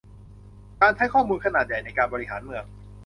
การใช้ข้อมูลขนาดใหญ่ในการบริหารเมือง